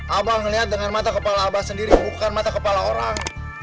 abah melihat dengan mata kepala abah sendiri bukan mata kepala orang